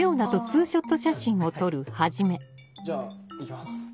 じゃあ行きます